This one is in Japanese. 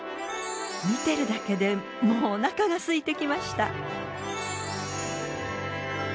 見てるだけでもうお腹が空いてきました。